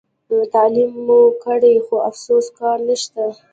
تعلیم مو کړي خو افسوس کار نشته.